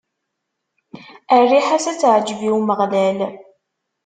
Rriḥa-s ad teɛǧeb i Umeɣlal.